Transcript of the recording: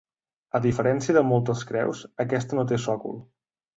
A diferència de moltes creus, aquesta no té sòcol.